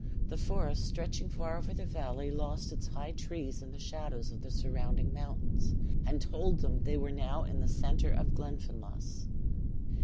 The forest, stretching far over the valley, lost its high trees in the shadows of the surrounding mountains, and told them they were now in the center of Glenfinlass.